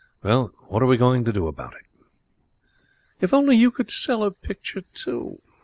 'Well, what are we going to do about it?' 'If only you could sell a picture, too!'